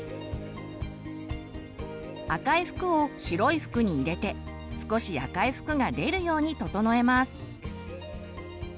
赤い服を白い服に入れて少し赤い服が出るように整えます。